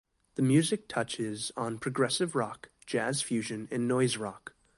The music touches on progressive rock, jazz fusion and noise rock.